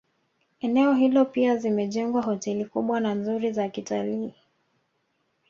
Eneo hilo pia zimejengwa hoteli kubwa na nzuri za kitalii